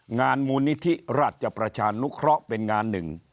งานมูลนิธิราชประชานุเคราะห์เป็นงานหนึ่ง